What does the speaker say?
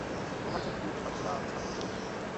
Obhájcem titulu byly Babosová s Mladenovicovou.